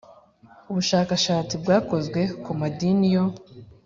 Ubushakashatsi bwakozwe ku madini yo